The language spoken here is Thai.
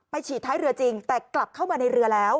ฉีดท้ายเรือจริงแต่กลับเข้ามาในเรือแล้ว